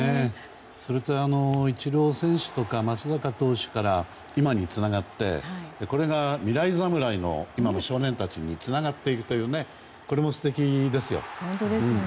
それとイチロー選手とか松坂投手から今につながってこれが未来侍の今の少年たちにつながっていくというねこれも素敵ですよ。